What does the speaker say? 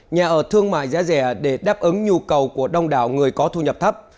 nhà ở thương mại giá rẻ để đáp ứng nhu cầu của đông đảo người có thu nhập thấp